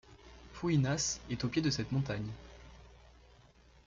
Fuinhas est au pied de cette montagne.